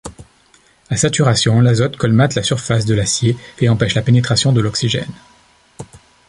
A saturation, l'azote colmate la surface de l'acier et empêche la pénétration de l'oxygène.